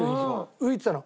浮いてたの。